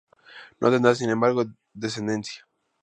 No tendrá, sin embargo, descendencia.